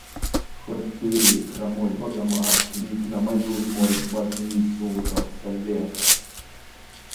Хоть ты, хромой богомаз, лик намалюй мой в божницу уродца века!